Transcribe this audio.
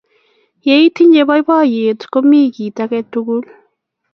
Yeitinnye poipyotet ko mye kit ake tukul.